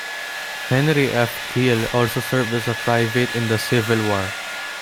Henry F. Kiel also served as a private in the Civil War.